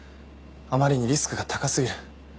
あまりにリスクが高過ぎる。